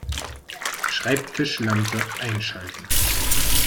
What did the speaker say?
Schreibtischlampe einschalten